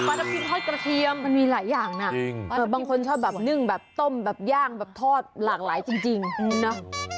ทับทิมทอดกระเทียมมันมีหลายอย่างนะบางคนชอบแบบนึ่งแบบต้มแบบย่างแบบทอดหลากหลายจริงเนาะ